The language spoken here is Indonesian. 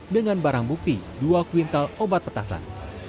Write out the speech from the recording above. dengan barang bukti dua kuintal obat petasan